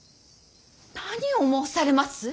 何を申されます。